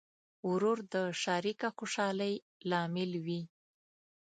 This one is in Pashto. ورور د شریکه خوشحالۍ لامل وي.